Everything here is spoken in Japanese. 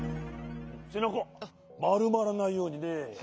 せなかまるまらないようにね。